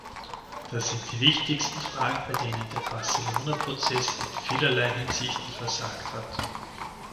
Das sind die wichtigsten Fragen, bei denen der Barcelona-Prozess in vielerlei Hinsicht versagt hat.